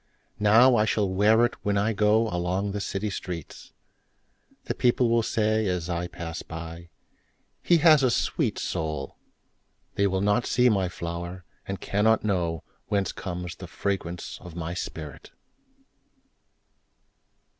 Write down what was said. Now I shall wear itWhen I goAlong the city streets:The people will sayAs I pass by—"He has a sweet soul!"They will not see my flower, And cannot knowWhence comes the fragrance of my spirit!